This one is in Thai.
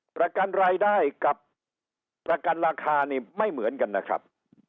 ประกันรายได้กับประกันราคานี่ไม่เหมือนกันนะครับ